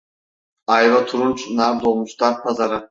Ayva turunç nar dolmuşlar pazara.